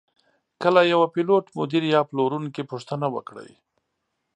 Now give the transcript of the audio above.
که له یوه پیلوټ، مدیر یا پلورونکي پوښتنه وکړئ.